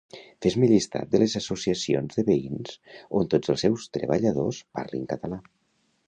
Fes-me llistat de les associacions de veïns on tots els seus treballadors parlin català